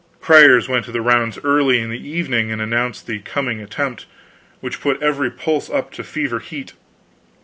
Criers went the rounds early in the evening and announced the coming attempt, which put every pulse up to fever heat.